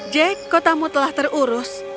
jack kotamu telah terubah